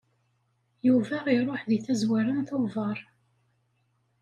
Yuba iṛuḥ deg tazwara n Tubeṛ.